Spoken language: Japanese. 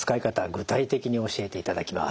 具体的に教えていただきます。